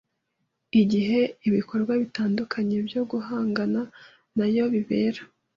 igihe ibikorwa bitandukanye byo guhangana nayo bibera,